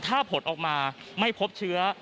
ถ้าผลออกมาไม่พบเชื้อ